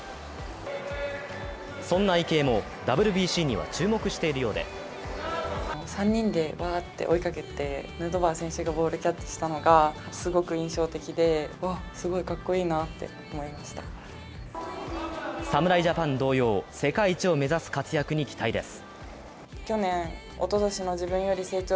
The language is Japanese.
そんな池江もＷＢＣには注目しているようで侍ジャパン同様、世界一を目指す活躍に期待です。